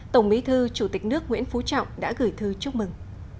tổng bí thư chủ tịch nước nguyễn phú trọng đã gửi thư chúc mừng